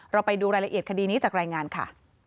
ไปดูรายละเอียดคดีนี้จากรายงานค่ะ